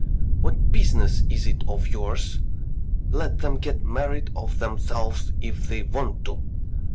What business is it of yours? Let them get married of themselves if they want to."